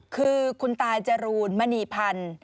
คือคุณตาจรูนมณีพันธ์